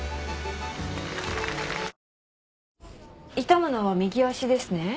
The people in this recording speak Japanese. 痛むのは右足ですね？